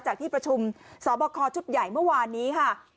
ที่ประชุมสอบคอชุดใหญ่เมื่อวานนี้ค่ะ